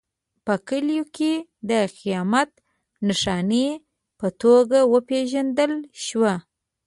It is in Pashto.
په کلیو کې د قیامت نښانې په توګه وپېژندل شو.